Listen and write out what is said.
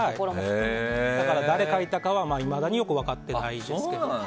だから、誰を描いたかはいまだによく分かっていないんです。